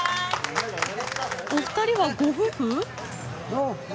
お二人はご夫婦？